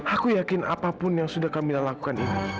aku yakin apapun yang sudah kami lakukan ini